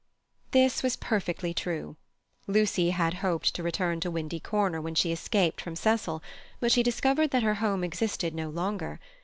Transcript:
This was perfectly true. Lucy had hoped to return to Windy Corner when she escaped from Cecil, but she discovered that her home existed no longer.